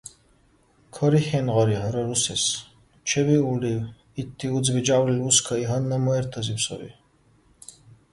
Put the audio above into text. Карихьен, гъари, хӀура русес. Чебиулрив, итди узби жявлил бускаи, гьанна муэртазиб саби.